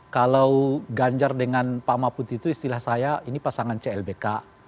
kalau ganjar dengan pak mahfud itu istilah saya ini pasangan clbk